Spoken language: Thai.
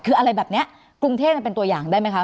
คืออะไรแบบนี้กรุงเทพมันเป็นตัวอย่างได้ไหมคะ